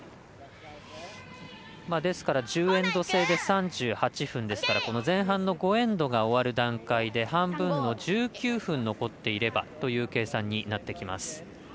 ですから、１０エンド制で３８分ですからこの前半の５エンドが終わる段階で半分の１９分、残っていればという計算になってきます。